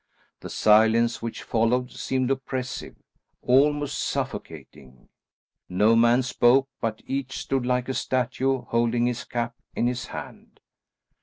The silence which followed seemed oppressive; almost suffocating. No man spoke, but each stood like a statue holding his cap in his hand.